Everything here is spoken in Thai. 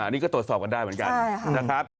นี่ก็ตรวจสอบกันได้เหมือนกันนะครับนะครับใช่ครับ